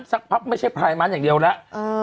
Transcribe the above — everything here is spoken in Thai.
สักพักไม่ใช่พลายมันอย่างเดียวแล้ว